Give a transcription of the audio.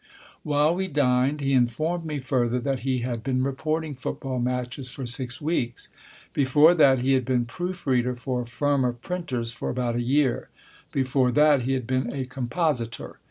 While we dined he informed me further that he had been reporting football matches for six weeks. Before that he had been proof reader for a firm of printers for about a year. Before that he had been a compositor.